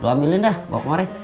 gue ambilin dah bawa kemari